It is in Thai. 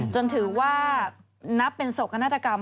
จนถือว่านับเป็นโศกนาฏกรรม